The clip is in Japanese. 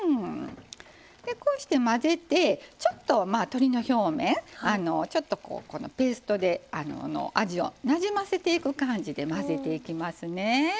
こうして混ぜてちょっと鶏の表面ちょっとこうペーストで味をなじませていく感じで混ぜていきますね。